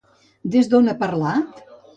Des d'on ha parlat?